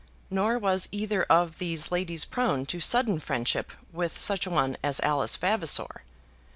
Nor was either of these ladies prone to sudden friendship with such a one as Alice Vavasor.